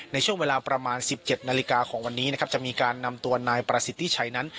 ในช่วงเวลาประมาณ๑๗นาฬิกาของวันนี้นะครับจะมีการนำตัวนายประสิทธิชัยนั้น